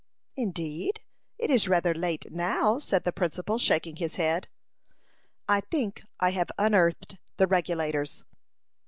"Indeed? It is rather late now," said the principal, shaking his head. "I think I have unearthed the Regulators."